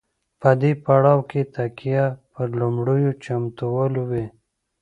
په دې پړاو کې تکیه پر لومړنیو چمتووالو وي.